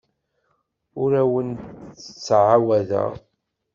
Ur awen-d-ttɛawadeɣ.